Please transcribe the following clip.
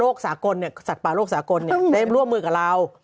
โลกสากลเนี่ยสัตว์ปลาโลกสากลได้ร่วมมือกับเรา